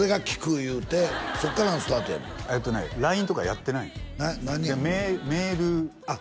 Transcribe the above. いうてそっからのスタートやねんてえっとねＬＩＮＥとかやってないのメールあっ